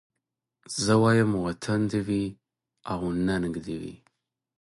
زه وايم وطن دي وي او ننګ دي وي